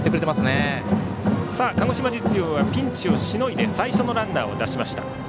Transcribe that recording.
鹿児島実業はピンチをしのいで最初のランナーを出しました。